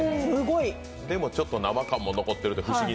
でもちょっと生感も残っているという。